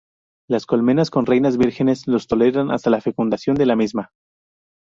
Las colmenas con reinas vírgenes los toleran hasta la fecundación de la misma.